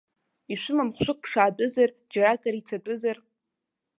Ишәымам хәшәык ԥшаатәызар, џьаракыр ицатәызар.